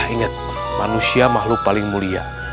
ingat manusia makhluk paling mulia